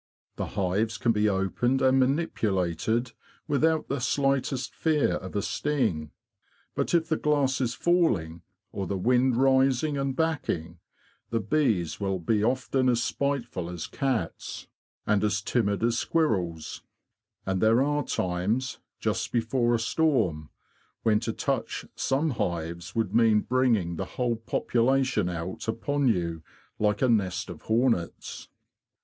The hives can be opened and manipulated without the slightest fear of a sting. But if the glass is falling, or the wind rising and backing, the s § 130 THE BEE MASTER OF WARRILOW bees will be often as spiteful as cats, and as timid as squirrels. And there are times, just before a storm, when to touch some hives would mean bringing the whole population out upon you like a nest of hornets."